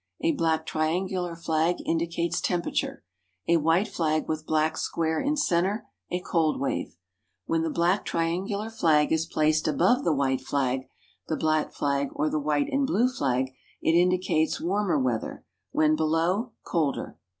A black triangular flag indicates temperature. A white flag with black square in center, a cold wave. When the black triangular flag is placed above the white flag, the black flag or the white and blue flag, it indicates warmer weather; when below, colder.